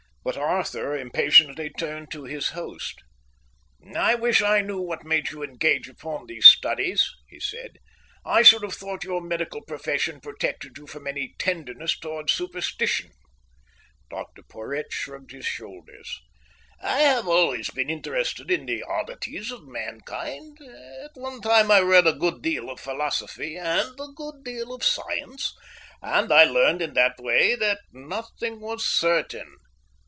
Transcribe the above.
But Arthur impatiently turned to his host. "I wish I knew what made you engage upon these studies," he said. "I should have thought your medical profession protected you from any tenderness towards superstition." Dr Porhoët shrugged his shoulders. "I have always been interested in the oddities of mankind. At one time I read a good deal of philosophy and a good deal of science, and I learned in that way that nothing was certain.